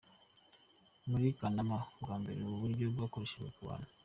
Muri Kanama, bwa mbere ubu buryo bwakoreshejwe ku bantu.